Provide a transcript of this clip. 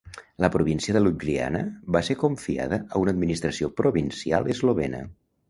La província de Ljubljana va ser confiada a una administració provincial eslovena.